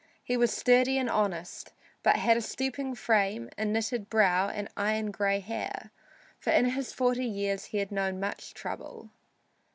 He was sturdy and honest, but had a stooping frame, a knitted brow and iron gray hair, for in his forty years he had known much trouble.